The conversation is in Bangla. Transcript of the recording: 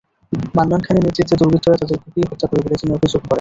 মান্নান খানের নেতৃত্বে দুর্বৃত্তরা তাঁদের কুপিয়ে হত্যা করে বলে তিনি অভিযোগ করেন।